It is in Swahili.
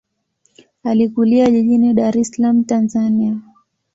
Alikulia jijini Dar es Salaam, Tanzania.